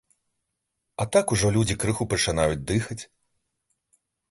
А так ужо людзі крыху пачынаюць дыхаць.